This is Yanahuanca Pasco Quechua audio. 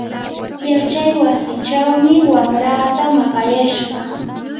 yachaywasichawmi wamraata maqayashqa.